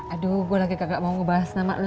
aduh gua lagi kagak mau ngebahas nama lu